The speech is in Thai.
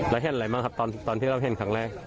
แล้วเห็นอะไรบ้างครับตอนที่เราเห็นครั้งแรก